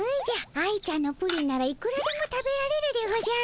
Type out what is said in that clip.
愛ちゃんのプリンならいくらでも食べられるでおじゃる。